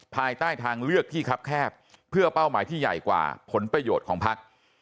ภายใต้ทางเลือกที่ครับแคบเพื่อเป้าหมายที่ใหญ่กว่าผลประโยชน์ของพัก